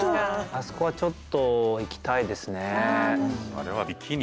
あそこはちょっと行きたいですね。